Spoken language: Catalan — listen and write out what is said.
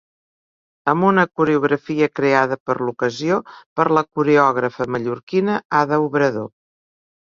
Amb una coreografia creada per l'ocasió per la coreògrafa mallorquina Ada Obrador.